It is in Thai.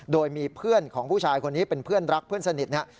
โดยมีเพื่อนของผู้ชายคนนี้เป็นเพื่อนรักเพื่อนสนิทนะครับ